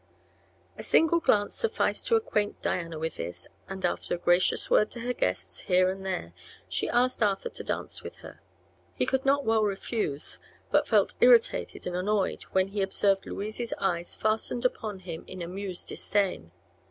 A single glance sufficed to acquaint Diana with all this, and after a gracious word to her guests here and there she asked Arthur to dance with her. He could not well refuse, but felt irritated and annoyed when he observed Louise's eyes fastened upon him in amused disdain.